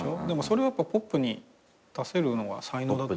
でもそれをポップに出せるのは才能。